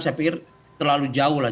saya pikir terlalu jauh lah